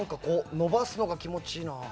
伸ばすのが気持ちいいな。